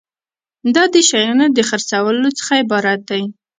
دا د شیانو د خرڅولو څخه عبارت دی.